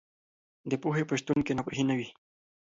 د پوهې په شتون کې ناپوهي نه وي.